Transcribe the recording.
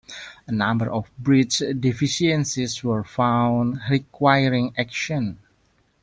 A number of bridge deficiencies were found requiring action.